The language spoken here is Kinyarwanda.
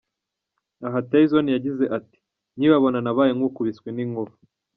Aha Tayson yagize ati:”Nkibabona nabaye nk’ukubiswe n’inkuba.